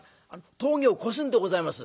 「峠を越すんでございます」。